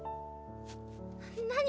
何？